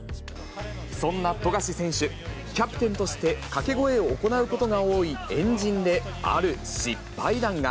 そんな富樫選手、キャプテンとして掛け声を行うことが多い円陣である失敗談が。